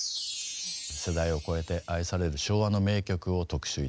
世代を超えて愛される昭和の名曲を特集いたします。